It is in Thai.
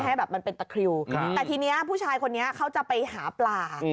ให้แบบมันเป็นตะคริวแต่ทีนี้ผู้ชายคนนี้เขาจะไปหาปลา